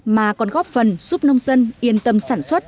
mà còn góp phần giúp nông dân yên tâm sản xuất